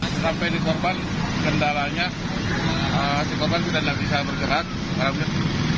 sampai di korban kendalanya si korban tidak bisa bergerak